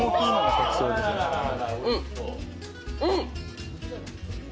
うん！